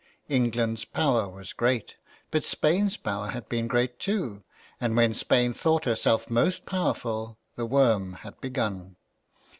England's power was great, but Spain's power had been great too, and when Spain thought herself most powerful the worm had begun.